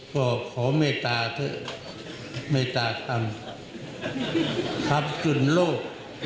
ก็ขอเมตตาทำทำกลุ่นโลก